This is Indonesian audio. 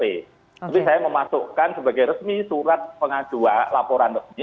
tapi saya memasukkan sebagai resmi surat pengajuan laporan resmi